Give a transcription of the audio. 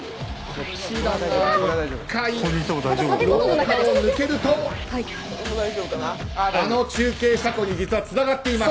通路を抜けると、あの中継車庫に実はつながっています。